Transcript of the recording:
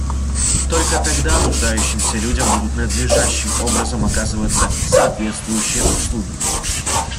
Только тогда нуждающимся людям будут надлежащим образом оказываться соответствующие услуги.